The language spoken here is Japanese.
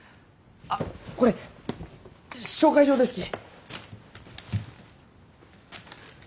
あこれ紹介状ですき！